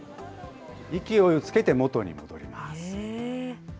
勢いをつけて元に戻ります。